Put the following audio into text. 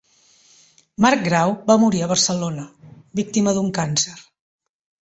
Marc Grau va morir a Barcelona, víctima d'un càncer.